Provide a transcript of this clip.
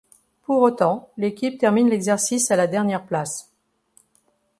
Pour autant, l'équipe termine l'exercice à la dernière place.